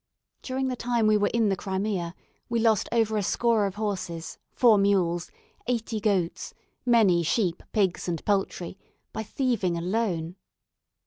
During the time we were in the Crimea we lost over a score of horses, four mules, eighty goats, many sheep, pigs, and poultry, by thieving alone.